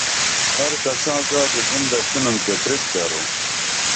ہر کساں زادی بُن دڇھنُم تے کرپ درو